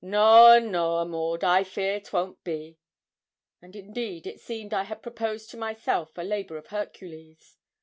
'Noa, noa, Maud, I fear 'twon't be.' And indeed it seemed I had proposed to myself a labour of Hercules.